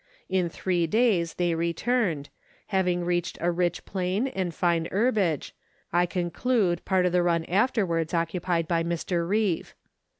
In three days they returned, having reached a rich plain and fine herbage, I conclude, part of the run afterwards occupied by Mr. Reeve.